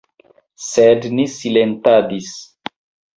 Sed ni silentadis.